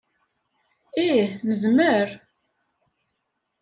Ih, nezmer.